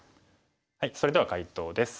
それでは解答です。